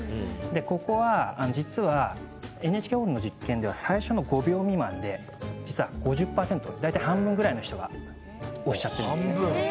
ここは、実はＮＨＫホールの実験では最初の５秒未満で実は５０％大体半分ぐらいの人が押してます。